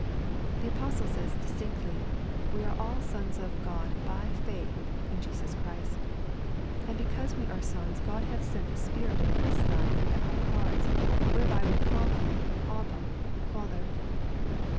12). (3) The Apoetle says distinctly: "We are all sons of God dy/dtitA in JeeusOhrist"; and because we are sons Cfod hath sent the Spirit of His Son into our hearts, whereby we call Him Abba, Father.